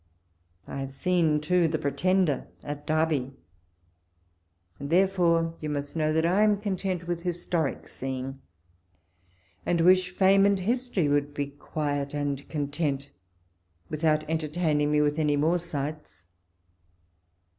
I have seen too the Pretender at Derby ; and, therefore, you must know that I am content with historic seeing, and wish Fame and History would be quiet and content without entertaining me with any more sights.